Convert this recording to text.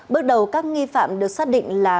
bước đầu các nghi phạm được xác định là